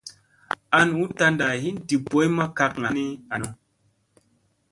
An u tanda hin di boy ma kakŋa ha ni any.